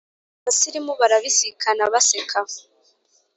Abasirimu barabisikana baseka